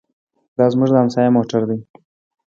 دا زموږ د همسایه موټر دی.